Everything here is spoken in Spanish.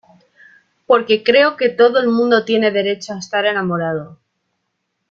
porque creo que todo el mundo tiene derecho a estar enamorado.